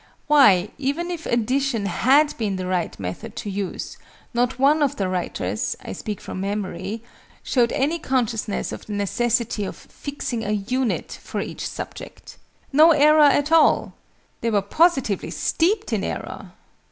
Why, even if addition had been the right method to use, not one of the writers (I speak from memory) showed any consciousness of the necessity of fixing a "unit" for each subject. "No error at all!" They were positively steeped in error!